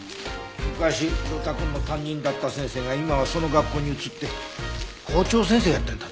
昔呂太くんの担任だった先生が今はその学校に移って校長先生やってるんだって。